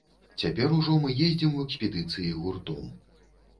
Цяпер ужо мы ездзім у экспедыцыі гуртом.